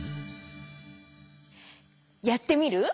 やってみる？